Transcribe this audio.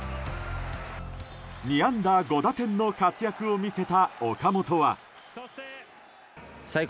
３安打５打点の活躍を見せた岡本は。